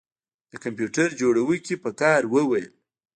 د کمپیوټر جوړونکي په قهر وویل